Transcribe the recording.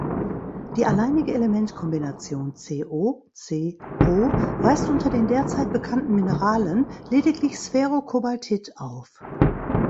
Die alleinige Elementkombination Co–C–O weist unter den derzeit bekannten Mineralen lediglich Sphärocobaltit auf.